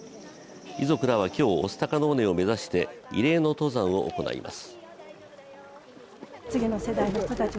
遺族らは今日御巣鷹の尾根を目指して、慰霊の登山を行います。